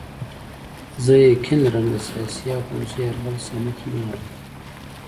زه یقین لرم له سیاسي او پوځي یرغل څخه مخ نه اړوي.